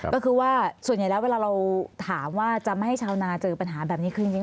ก็คือว่าส่วนใหญ่แล้วเวลาเราถามว่าจะไม่ให้ชาวนาเจอปัญหาแบบนี้คืออย่างนี้